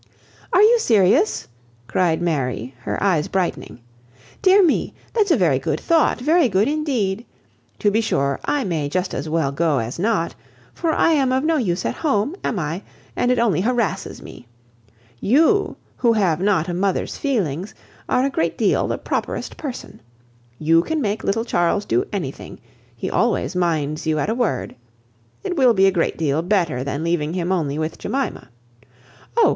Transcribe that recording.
"Are you serious?" cried Mary, her eyes brightening. "Dear me! that's a very good thought, very good, indeed. To be sure, I may just as well go as not, for I am of no use at home—am I? and it only harasses me. You, who have not a mother's feelings, are a great deal the properest person. You can make little Charles do anything; he always minds you at a word. It will be a great deal better than leaving him only with Jemima. Oh!